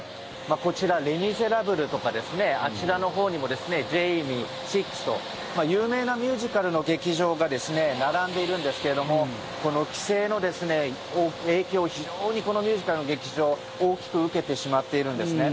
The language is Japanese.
こちら、「レ・ミゼラブル」とかあちらのほうにも「ジェイミー」、「シックス」と有名なミュージカルの劇場が並んでいるんですけどもこの規制の影響を非常にこのミュージカルの劇場大きく受けてしまっているんですね。